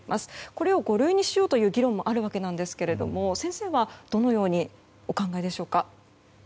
これを五類にしようという議論もありますが先生はどのようにお考えでしょうか？